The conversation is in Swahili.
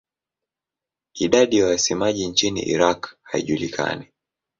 Idadi ya wasemaji nchini Iraq haijulikani.